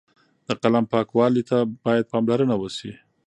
د قلم پاکوالۍ ته باید پاملرنه وشي.